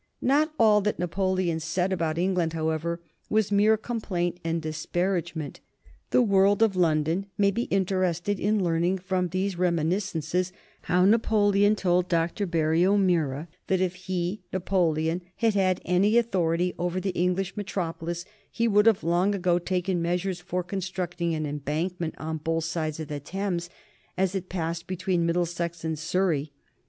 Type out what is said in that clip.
Not all that Napoleon said about England, however, was mere complaint and disparagement. The world of London may be interested in learning from these reminiscences how Napoleon told Dr. Barry O'Meara that if he, Napoleon, had had any authority over the English Metropolis, he would have long ago taken measures for constructing an embankment on both sides of the Thames as it passed between Middlesex and Surrey.